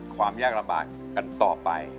ความยากลำบากกันต่อไป